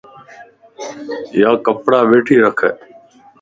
يا ڪپڙا ٻيٺي رک ا